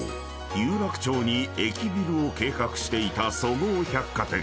有楽町に駅ビルを計画していたそごう百貨店］